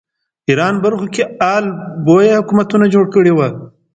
ایران برخو کې آل بویه حکومتونه جوړ کړي وو